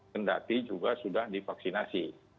kendati juga sudah divaksinasi